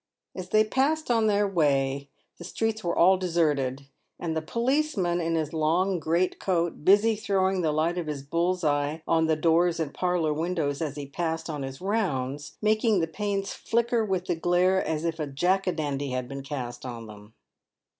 As they passed on their way the streets were all deserted, and the policeman, in his long great coat, busy throwing the light of his bull's eye on the doors and parlour windows as he passed on his PAYED WITH GOLD. 75 rounds, making the panes flicker with the glare as if a jack a dandy had been cast on them.